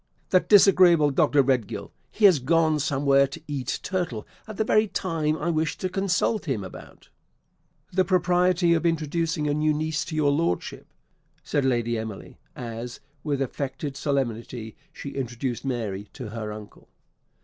"That disagreeable Dr. Redgill. He has gone somewhere to eat turtle at the very time I wished to consult him about " "The propriety of introducing a new niece to your Lordship," said Lady Emily, as, with affected solemnity, she introduced Mary to her uncle.